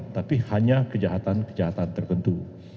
tapi hanya kejahatan kejahatan tertentu